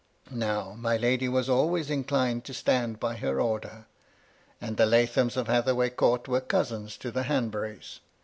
Now my lady was always inclined to stand by her order, and the Lathoms of Hathaway Court were cousins to the Hanburys.